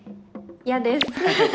嫌です。